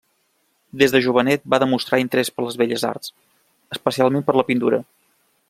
Des de jovenet va demostrar interès per les belles arts, especialment per la pintura.